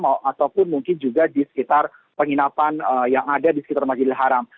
ataupun mungkin juga di sekitar penginapan yang ada di sekitar masjidil haram